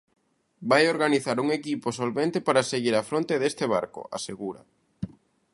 Vai organizar "un equipo solvente" para "seguir á fronte deste barco", asegura.